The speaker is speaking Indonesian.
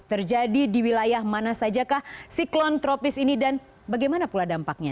terjadi di wilayah mana saja kah siklon tropis ini dan bagaimana pula dampaknya